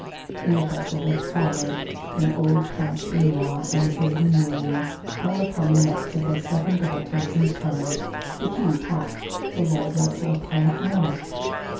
In the bustle that followed, when old Count Benoît and his Lady Myriel hung upon the necks of their seven daughters in turn, the King tapped the Lord Rector upon the arm.